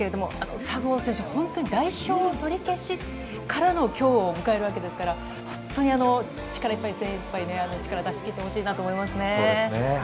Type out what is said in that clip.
佐合選手、代表取り消しからの今日を迎えるわけですから、力いっぱい、精いっぱい、力を出し切ってほしいなと思いますね。